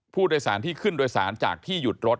ผู้โดยสารที่ขึ้นโดยสารจากที่หยุดรถ